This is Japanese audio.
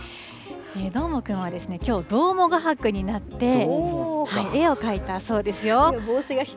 どーもくんはですね、きょう、どーも画伯になって、絵を描いたそうですよ。